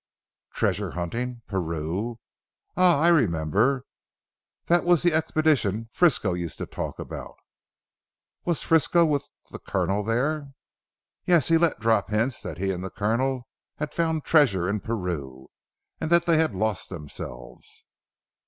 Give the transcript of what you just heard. "Treasure hunting! Peru. Ah I remember, that was the expedition Frisco used to talk about." "Was Frisco with the Colonel there?" "Yes. He let drop hints that he and the Colonel had found treasure in Peru, and that they had lost themselves.